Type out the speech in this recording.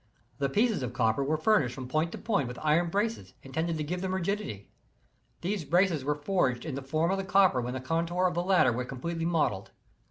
The pieces of copper were furnished from point to point with iron braces, intended to give then^ rigidity. These braces were forged in the form of the copper when the contour of the latter was completely modeled.